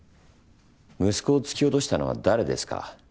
息子を突き落としたのは誰ですか？